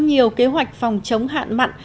nhiều kế hoạch phòng chống hạn mặn